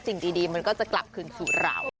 สิ่งดีมันก็จะกลับคืนสู่เรา